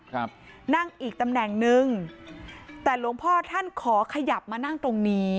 ครับนั่งอีกตำแหน่งหนึ่งแต่หลวงพ่อท่านขอขยับมานั่งตรงนี้